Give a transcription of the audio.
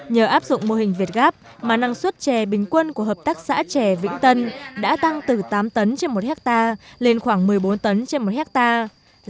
nhờ áp dụng mô hình việt gáp mà năng suất chè bình quân của hợp tác xã trẻ vĩnh tân đã tăng từ tám tấn trên một hectare lên khoảng một mươi bốn tấn trên một hectare